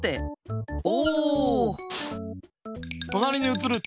お！